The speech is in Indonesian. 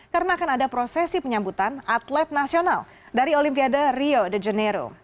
karena akan ada prosesi penyambutan atlet nasional dari olimpiade rio de janeiro